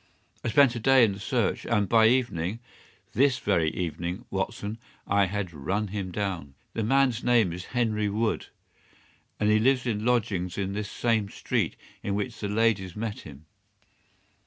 I spent a day in the search, and by evening—this very evening, Watson—I had run him down. The man's name is Henry Wood, and he lives in lodgings in this same street in which the ladies met him.